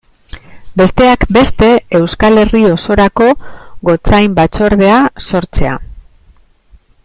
Besteak beste Euskal Herri osorako gotzain batzordea sortzea.